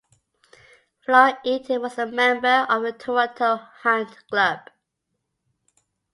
Flora Eaton was a member of the Toronto Hunt Club.